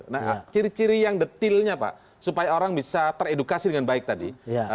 nah ciri ciri yang detailnya pak supaya orang bisa teredukasi dengan baik tadi